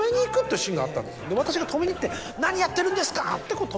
私が止めに行って「何やってるんですか」って止める。